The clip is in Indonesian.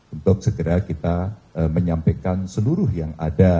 untuk segera kita menyampaikan seluruh yang ada